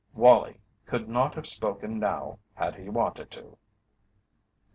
Wallie could not have spoken now had he wanted to.